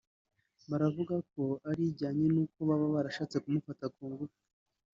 biravugwa ko ari ijyanye n’uko baba barashatse kumufata ku ngufu